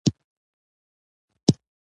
ميرويس خان پکې کېناست.